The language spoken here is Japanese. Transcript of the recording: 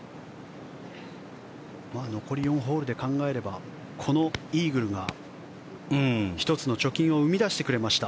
残り４ホールで考えればこのイーグルが１つの貯金を生み出してくれました。